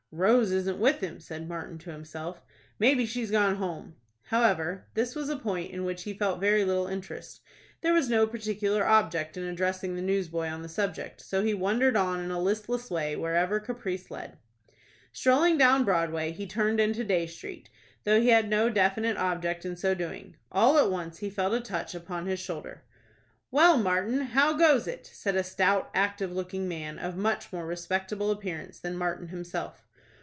"Rose isn't with him," said Martin to himself. "Maybe she's gone home." However, this was a point in which he felt very little interest. There was no particular object in addressing the newsboy on the subject, so he wandered on in a listless way wherever caprice led. Strolling down Broadway, he turned into Dey Street, though he had no definite object in so doing. All at once he felt a touch upon his shoulder. "Well, Martin, how goes it?" said a stout, active looking man, of much more respectable appearance than Martin himself.